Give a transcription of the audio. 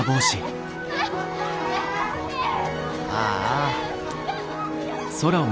ああ。